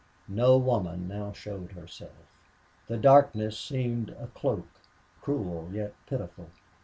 No woman now showed herself. The darkness seemed a cloak, cruel yet pitiful.